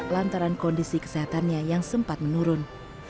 lantaran kondisi kesehatannya yang sempat menurun